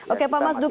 oke pak mas duki